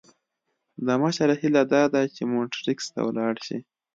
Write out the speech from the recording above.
د مشر هیله داده چې مونټریکس ته ولاړ شي.